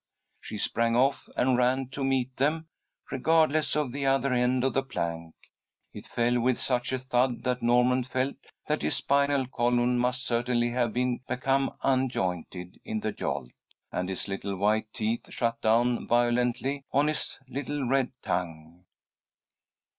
She sprang off, and ran to meet them, regardless of the other end of the plank. It fell with such a thud that Norman felt that his spinal column must certainly have become unjointed in the jolt, and his little white teeth shut down violently on his little red tongue.